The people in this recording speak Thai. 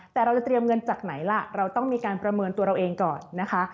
แต่เราจะเตรียมเงินจากไหนล่ะเราต้องมีการประเมินตัวเราเองก่อนนะคะ